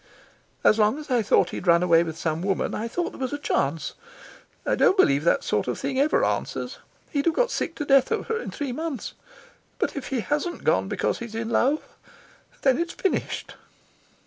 "As long as I thought he'd run away with some woman I thought there was a chance. I don't believe that sort of thing ever answers. He'd have got sick to death of her in three months. But if he hasn't gone because he's in love, then it's finished."